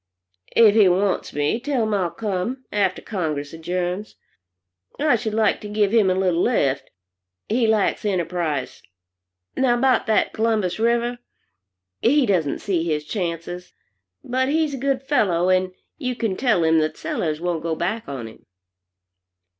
"If he wants me, tell him I'll come, after Congress adjourns. I should like to give him a little lift. He lacks enterprise now, about that Columbus River. He doesn't see his chances. But he's a good fellow, and you can tell him that Sellers won't go back on him."